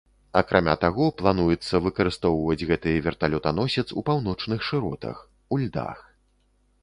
Акрамя таго, плануецца выкарыстоўваць гэты верталётаносец у паўночных шыротах, у льдах.